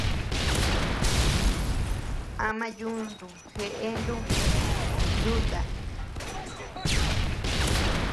Ama yuntu jeʼe nuku yuta.